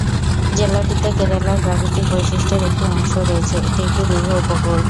জেলাটিতে কেরালার প্রাকৃতিক বৈশিষ্ট্যের একটি অংশ রয়েছে; এটি একটি দীর্ঘ উপকূল।